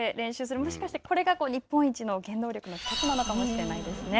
もしかしたらこれが日本一の原動力の１つなのかもしれないですね。